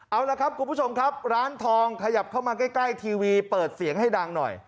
เอาละครับคุณผู้ชมครับร้านทองขยับเข้ามาใกล้ทีวีเปิดเสียงให้ดังหน่อย